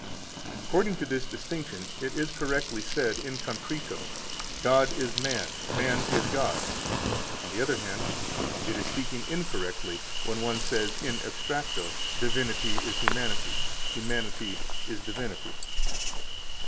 15 According to this distinction it is correctly said in concreto: God is man, man is God. On the other hand, it is speaking incorrectly when one says in abstracto: Divinity is humanity, humanity is divinity.